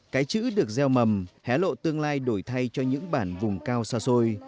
cái chữ được gieo mầm hé lộ tương lai đổi thay cho những bản vùng cao xa xôi